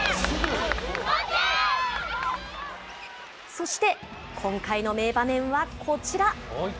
そして今回の名場面はこちら。